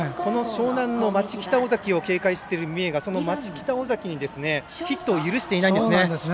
樟南の町北、尾崎を警戒している三重が町北、尾崎にヒットを許してないんですね。